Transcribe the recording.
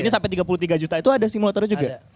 ini sampai tiga puluh tiga juta itu ada simulatornya juga